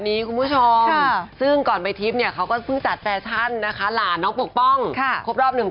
นี้คุณผู้ชมซึ่งก่อนไปทิศเนี่ยเขาก็พึ่งจัดเพชรชนนะคะราณน้องปกป้องฮะครอบนึง